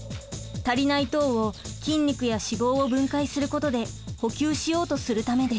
足りない糖を筋肉や脂肪を分解することで補給しようとするためです。